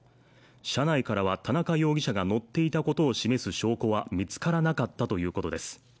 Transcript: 車内からは田中容疑者が乗っていたことを示す証拠は見つからなかったということです